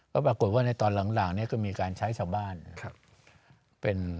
ก็ปรากฏว่าในตอนหลังนี้ก็มีการใช้ชาวบ้าน